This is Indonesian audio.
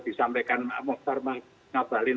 disampaikan pak oktar nabalin